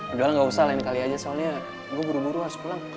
udah lah gak usah lain kali aja soalnya gue buru buru harus pulang